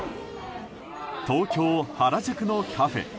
東京・原宿のカフェ。